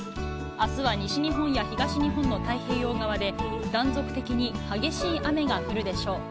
あすは西日本や東日本の太平洋側で、断続的に激しい雨が降るでしょう。